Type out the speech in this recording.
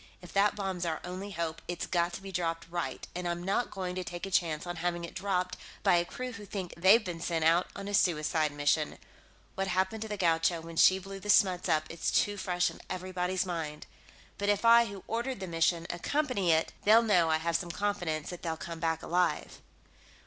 If that bomb's our only hope, it's got to be dropped right, and I'm not going to take a chance on having it dropped by a crew who think they've been sent out on a suicide mission. What happened to the Gaucho when she blew the Smuts up is too fresh in everybody's mind. But if I, who ordered the mission, accompany it, they'll know I have some confidence that they'll come back alive."